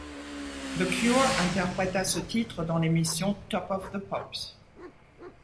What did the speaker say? The Cure interpréta ce titre dans l'émission Top of the Pops.